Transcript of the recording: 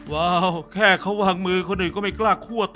ว้าวแค่เขาวางมือคนอื่นก็ไม่กล้าคั่วตัว